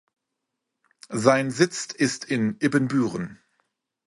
Sein Sitz ist in Ibbenbüren.